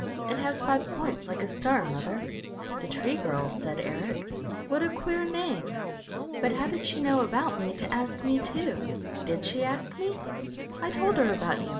It has five points like a star, mother." "The Tree Girl," said Eric. "What a queer name! But how did she know about me to ask me too? Did she ask me?" "I told her about you.